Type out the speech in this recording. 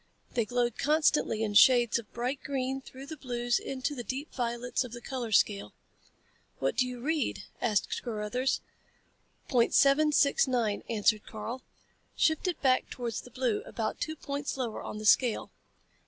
They glowed constantly in shades of bright green through the blues into the deep violets of the color scale. "What do you read?" asked Carruthers. "Point seven six nine," answered Karl. "Shift it back towards the blue, about two points lower on the scale."